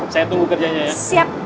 saya tunggu kerjanya ya